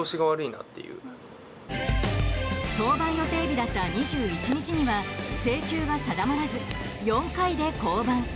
登板予定日だった２１日には制球が定まらず４回で降板。